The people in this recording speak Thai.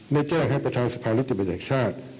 ในแจ้งให้ประธานสภาทร์ฤทธิบัญญาชาติ